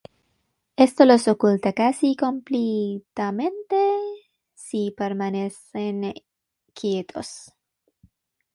Esto los oculta casi completamente si permanecen quietos.